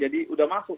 jadi sudah masuk